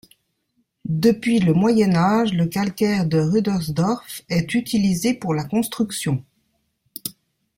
Depuis le Moyen Âge, le calcaire de Rüdersdorf est utilisé pour la construction.